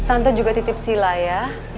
tante juga titip sila ya